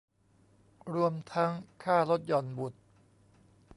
รวมทั้งค่าลดหย่อนบุตร